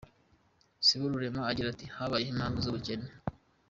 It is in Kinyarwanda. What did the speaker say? Siborurema agira ati “Habayeho impamvu y’ubukene.